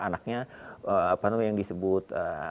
anaknya apa namanya yang disebut